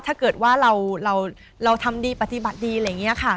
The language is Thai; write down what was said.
ถ้าเกิดว่าเราทำดีปฏิบัติดีอะไรอย่างนี้ค่ะ